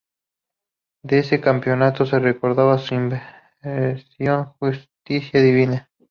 De ese campeonato es recordada su intervención ""¡Justicia Divina!